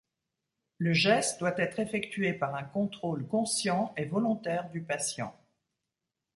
Le geste doit être effectué par un contrôle conscient et volontaire du patient.